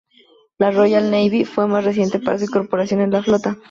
La Royal Navy fue más reticente para su incorporación en la flota.